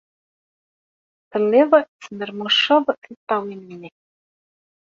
Telliḍ tesmermuceḍ tiṭṭawin-nnek.